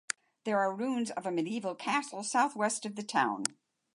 There are ruins of a medieval castle southeast of the town.